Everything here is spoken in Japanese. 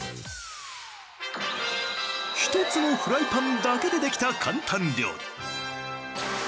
１つのフライパンだけでできた簡単料理。